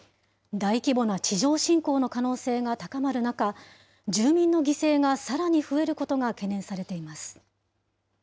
大規模な地上侵攻の可能性が高まる中、住民の犠牲がさらに増えることが懸念されています。